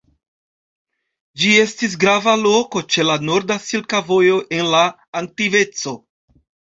Ĝi estis grava loko ĉe la norda Silka Vojo en la antikveco.